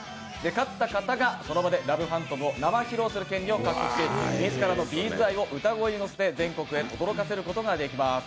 勝った方がその場で「ＬＯＶＥＰＨＡＮＴＯＭ」を披露する権利を獲得し、歌声に乗せて、全国へとどろかせることができます